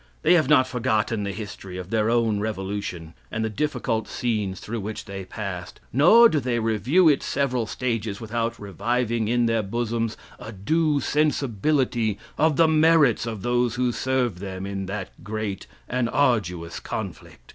They have not forgotten the history of their own revolution, and the difficult scenes through which they passed; nor do they review its several stages without reviving in their bosoms a due sensibility of the merits of those who served them in that great and arduous conflict.